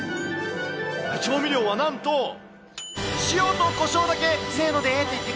調味料はなんと、塩とこしょうだけ。